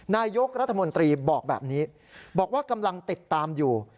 นายกรัฐมนตรีบอกแบบนี้บอกว่ากำลังติดตามอยู่